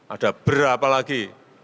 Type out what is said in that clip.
ada berapa lagi